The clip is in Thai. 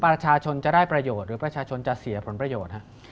ประชาชนจะได้ประโยชน์หรือประชาชนจะเสียผลประโยชน์